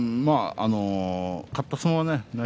勝った相撲はね